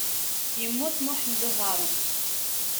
Yemmut Muḥemmud Uharun.